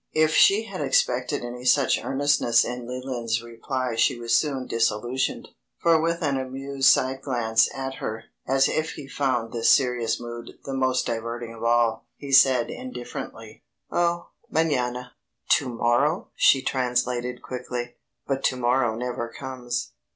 '" If she had expected any such earnestness in Leland's reply she was soon disillusioned, for with an amused side glance at her, as if he found this serious mood the most diverting of all, he said indifferently: "Oh mañana." "To morrow!" she translated quickly. "But to morrow never comes."